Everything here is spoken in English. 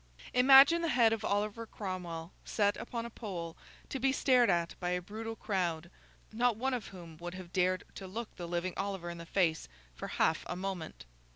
Imagine the head of Oliver Cromwell set upon a pole to be stared at by a brutal crowd, not one of whom would have dared to look the living Oliver in the face for half a moment!